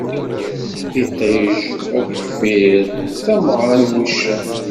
Iṭij, ageffir, d tameɣṛa n wuccen.